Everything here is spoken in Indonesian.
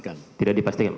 ya tidak dipastikan